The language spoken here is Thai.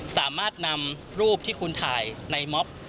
สามารถนำรูปที่คุณถ่ายในม็อบ